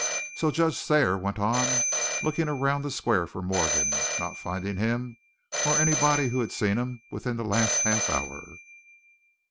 So Judge Thayer went on, looking around the square for Morgan, not finding him, nor anybody who had seen him within the last half hour.